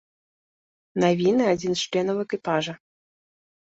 Навіны адзін з членаў экіпажа.